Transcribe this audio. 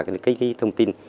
cái thông tin